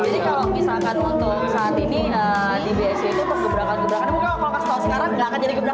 jadi kalau misalkan untuk saat ini di bsc itu untuk gebrakan gebrakan mungkin kalau kasih tau sekarang nggak akan jadi gebrakan